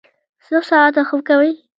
څو ساعته خوب کوئ؟